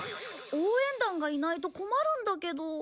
応援団がいないと困るんだけど。